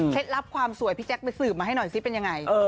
ลับความสวยพี่แจ๊คไปสืบมาให้หน่อยซิเป็นยังไง